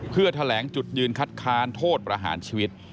เพื่อแถลงจุดยืนคัดค้านโทษประหารชีวิต